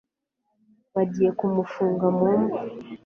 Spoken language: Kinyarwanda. bagiye kumufunga mu mva